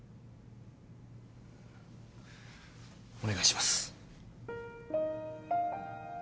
お願いします。